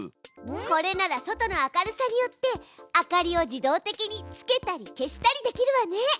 これなら外の明るさによって明かりを自動的につけたり消したりできるわね！